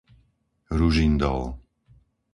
Ružindol